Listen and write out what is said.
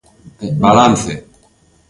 Balance.